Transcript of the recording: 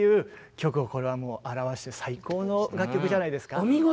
曲をこれはもう表す最高の楽曲じゃないですか。